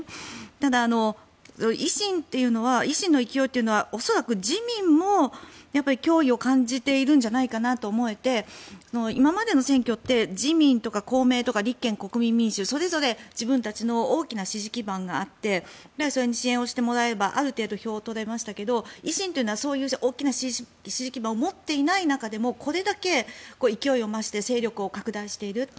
ただ、維新の勢いというのは恐らく自民も脅威を感じているんじゃないかなと思えて今までの選挙って自民とか公明とか立憲、国民民主それぞれ自分たちの大きな支持基盤があってそれに支援をしてもらえばある程度、票を取れましたが維新というのはそういう大きい支持基盤を持っていない中でもこれだけ勢いを増して勢力を拡大している。